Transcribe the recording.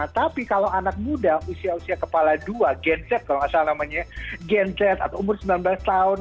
tapi kalau anak muda usia usia kepala dua gen z kalau nggak salah namanya gen z atau umur sembilan belas tahun